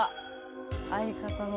相方の。